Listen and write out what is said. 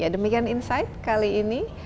demikian insight kali ini